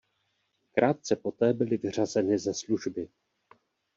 Krátce poté byly vyřazeny ze služby.